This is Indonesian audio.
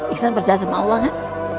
isan berjalan sama allah kan